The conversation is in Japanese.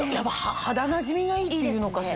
肌なじみがいいっていうのかしらね。